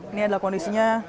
ini adalah kondisinya